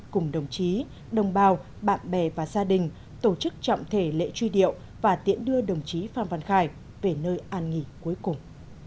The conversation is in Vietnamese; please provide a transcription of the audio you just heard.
cùng đồng chí đồng bào bạn bè và gia đình tổ chức trọng thể lễ truy điệu và tiễn đưa đồng chí phan văn khải về nơi an nghỉ cuối cùng